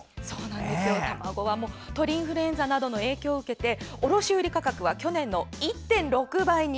卵は鳥インフルエンザなどの影響を受けて卸売価格は去年の１．６倍に。